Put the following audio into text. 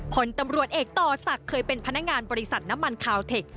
ผลตำรวจเอกต่อศักดิ์เคยเป็นพนักงานบริษัทน้ำมันคาวเทค